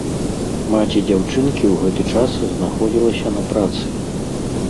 Маці дзяўчынкі ў гэты час знаходзілася на працы.